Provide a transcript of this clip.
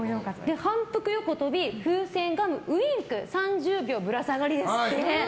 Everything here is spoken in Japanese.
反復横跳び、風船ガムウィンク３０秒ぶら下がりですって。